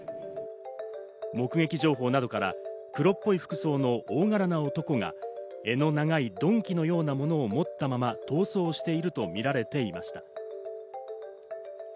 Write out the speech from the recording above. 目撃情報などから黒っぽい服装の大柄な男が柄の長い鈍器のようなものを持ったまま逃走しているとみられていました。